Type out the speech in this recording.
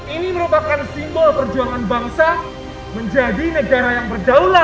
ini merupakan simbol perjuangan bangsa menjadi negara yang berdaulat